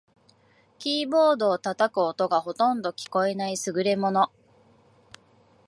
キーボードを叩く音がほとんど聞こえない優れもの